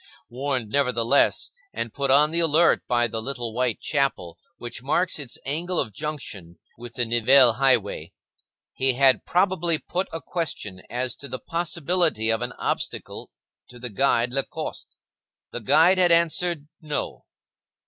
Warned, nevertheless, and put on the alert by the little white chapel which marks its angle of junction with the Nivelles highway, he had probably put a question as to the possibility of an obstacle, to the guide Lacoste. The guide had answered No.